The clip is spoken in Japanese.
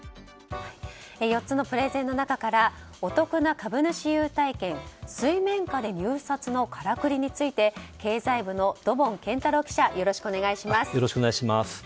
４つのプレゼンの中からお得な株主優待券水面下で入札のからくりについて経済部の土門健太郎記者よろしくお願いします。